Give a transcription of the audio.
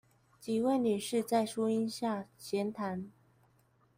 幾位女士在樹陰下閒談